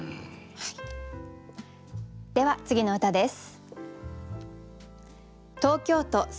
では次の歌です。